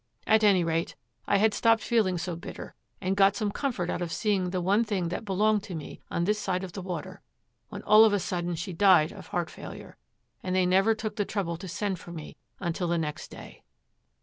At any rate, I had stopped feeling so bitter, and got some comfort out of seeing the one thing that belonged to me on this side of the water, when all of a sudden she died of heart failure, and they never took the trouble to send for me until the next day.'